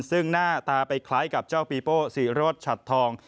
ซึ่งหน้าตาไปคล้ายกับเจ้าปีโป้ศรีโรธฉัดทอง